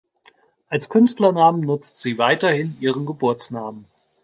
Als Künstlernamen nutzt sie weiterhin ihren Geburtsnamen.